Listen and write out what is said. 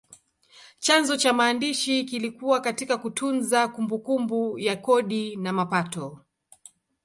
Chanzo cha maandishi kilikuwa katika kutunza kumbukumbu ya kodi na mapato.